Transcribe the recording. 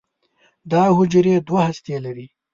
دا حجرې دوه هستې لري.